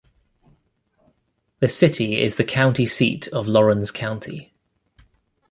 The city is the county seat of Laurens County.